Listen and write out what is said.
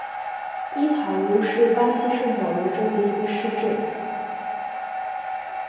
伊塔茹是巴西圣保罗州的一个市镇。